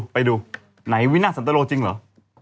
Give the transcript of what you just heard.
ไปดูไหนวินาทสันตโลจริงเหรอ